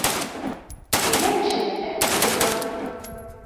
Өйләнешегеҙ ҙә ҡуйығыҙ!